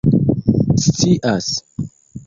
scias